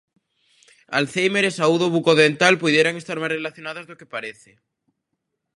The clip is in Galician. Alzhéimer e saúde bucodental puideran estar máis relacionados do que parece.